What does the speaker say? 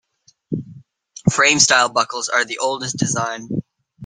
Frame-style buckles are the oldest design.